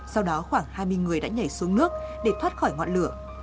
sau đó khoảng hai mươi người đã nhảy xuống nước để thoát khỏi ngọn lửa